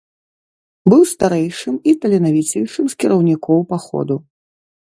Быў старэйшым і таленавіцейшым з кіраўнікоў паходу.